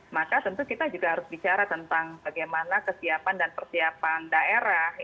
maka tentu kita juga harus bicara tentang bagaimana kesiapan dan persiapan daerah